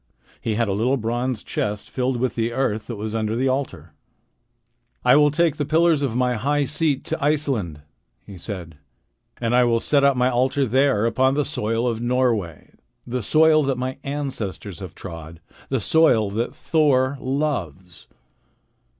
He had a little bronze chest filled with the earth that was under the altar. "I will take the pillars of my high seat to Iceland," he said, "and I will set up my altar there upon the soil of Norway, the soil that all my ancestors have trod, the soil that Thor loves."